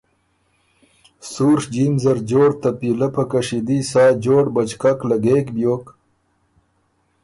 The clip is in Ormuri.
سُوڒ جیم زر جوړ ته پیلۀ په کشیدي سا جوړ پچکک لګېک بیوک